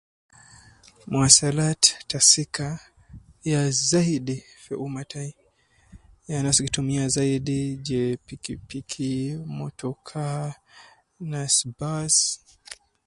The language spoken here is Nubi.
Muwasalat ta sika ya zaidi fi umma tai, ya anas gi tumiya zaidi je piki piki, motoka Nas bus